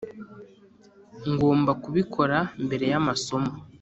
ngomba kubikora mbere yamasomo.